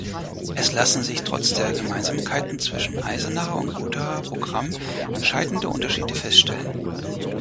Es lassen sich trotz der Gemeinsamkeiten zwischen Eisenacher und Gothaer Programm entscheidende Unterschiede feststellen.